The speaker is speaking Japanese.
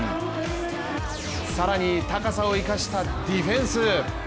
更に、高さを生かしたディフェンス。